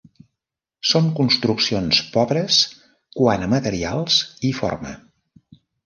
Són construccions pobres quant a materials i forma.